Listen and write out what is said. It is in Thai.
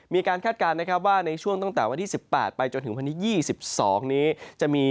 คาดการณ์นะครับว่าในช่วงตั้งแต่วันที่๑๘ไปจนถึงวันที่๒๒นี้จะมี